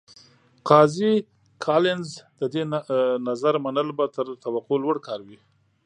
قاضي کالینز د دې نظر منل به تر توقع لوړ کار وي.